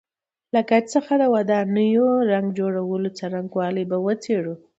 له ګچ څخه د ودانیو رنګ جوړولو څرنګوالی به وڅېړو.